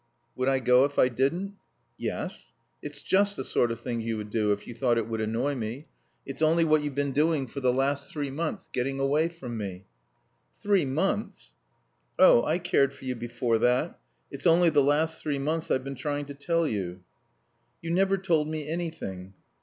"Would I go if I didn't?" "Yes. It's just the sort of thing you would do, if you thought it would annoy me. It's only what you've been doing for the last three months getting away from me." "Three months ?" "Oh, I cared for you before that. It's only the last three months I've been trying to tell you." "You never told me anything."